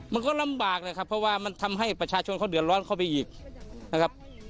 มันก็ลำบากนะครับเพราะว่ามันทำให้ประชาชนเขาเดือดร้อนเข้าไปอีกนะครับ